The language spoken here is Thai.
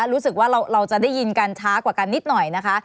รู้สึกว่าเราจะได้ยินกันช้ากว่ากันนิดหน่อยนะคะ